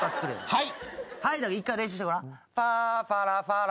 はい。